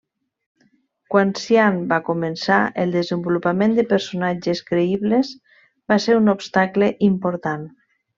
Quan Cian va començar, el desenvolupament de personatges creïbles va ser un obstacle important.